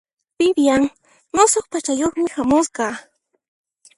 Vivian musuq p'achayuqmi hamusqa.